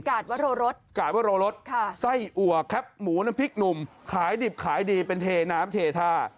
กาดวัลโลรสกาดวัลโลรสไส้อวกครับหมูน้ำพริกหนุ่มขายดิบขายดีเป็นเทน้ำเททา